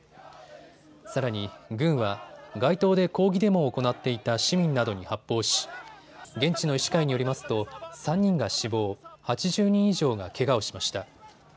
さらに軍は街頭で抗議デモを行っていた市民などに発砲し現地の医師会によりますと３人が死亡、８０人以上がけがをしました。